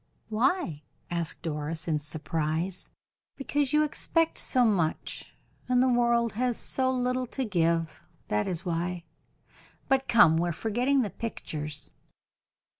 "Why?" asked Doris, in surprise. "Because you expect so much, and the world has so little to give that is why. But come, we are forgetting the pictures."